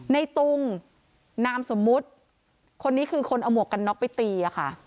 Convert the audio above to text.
ในตุงนามสมมุติคนนี้คือคนเอาหมวกกันน็อกไปตีค่ะ